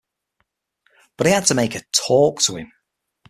But he had to make her talk to him.